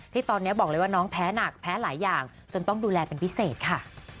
ที่ตอนนี้บอกเลยว่าน้องแพ้หนักแพ้หลายอย่างจนต้องดูแลเป็นพิเศษค่ะ